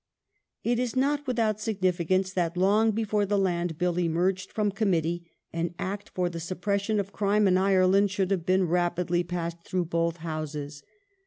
The Peace It is not without significance that, long before the Land Bill dorf Acf ^*^^i'g^ from Committee, an Act for the suppression of crime 1870 in Ireland should have been rapidly passed through both Houses.